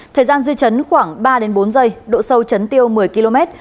thời gian dư chấn khoảng ba bốn giây độ sâu chấn tiêu một mươi km